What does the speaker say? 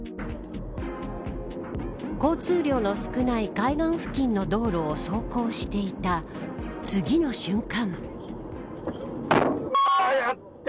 交通量の少ない海岸付近の道路を走行していた次の瞬間。